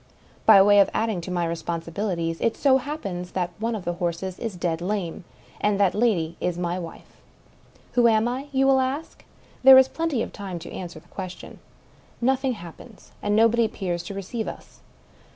By way of adding to my responsibilities, it so happens that one of the horses is dead lame, and that the lady is my wife. Who am I ?— you will ask. There is plenty of time to answer the question. Nothing happens; and nobody appears to receive us.